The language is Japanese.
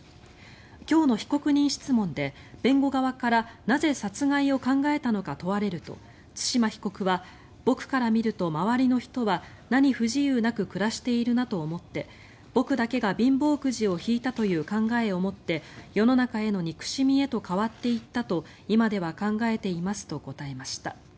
今日の被告人質問で、弁護側からなぜ殺害を考えたのか問われると対馬被告は、僕から見ると周りの人は何不自由なく暮らしているなと思って僕だけが貧乏くじを引いたという考えを持って世の中への憎しみへと変わっていったと今では考えていますと答えました。